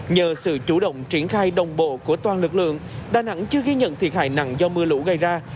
nhờ sự chủ động triển khai đồng bộ của toàn lực lượng đà nẵng chưa ghi nhận thiệt hại nặng do mưa lũ gây ra